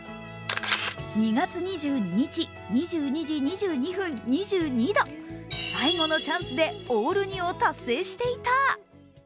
２月２２日２２時２２分、２２度、最後のチャンスでオール２を達成していた。